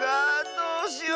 どうしよう！